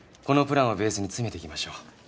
このプランをベースに詰めていきましょう。